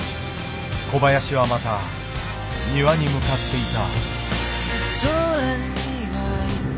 小林はまた庭に向かっていた。